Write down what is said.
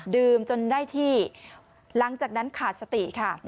จนได้ที่หลังจากนั้นขาดสติค่ะ